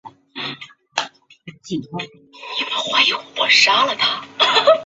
霍亨布伦是德国巴伐利亚州的一个市镇。